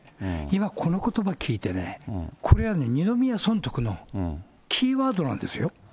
今、このことば聞いてね、これはね、二宮尊徳のキーワードなんですよ。